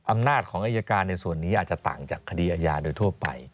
อำนาจของอายการในส่วนนี้อาจจะต่างจากคดีอาญาโดยทั่วไป